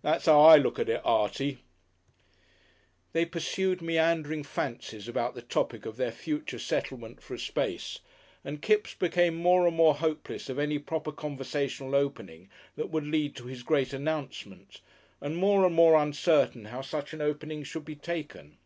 That's 'ow I look at it, Artie." They pursued meandering fancies about the topic of their future settlement for a space and Kipps became more and more hopeless of any proper conversational opening that would lead to his great announcement, and more and more uncertain how such an opening should be taken.